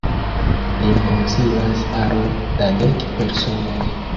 Lin konsilas aro da dek personoj.